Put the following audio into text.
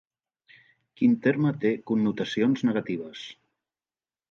Quin terme té connotacions negatives?